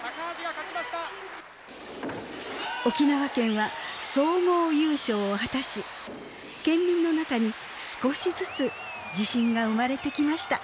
沖縄県は総合優勝を果たし県民の中に少しずつ自信が生まれてきました。